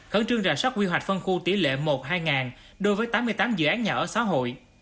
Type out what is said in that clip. khẩn trương rà soát quy hoạch phân khu tỷ lệ một hai đối với tám mươi tám dự án nhà ở xã hội